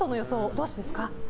どうしてですか。